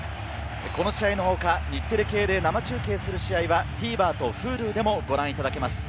この試合の他、日テレ系で生中継する試合はＴＶｅｒとＨｕｌｕでも、ご覧いただけます。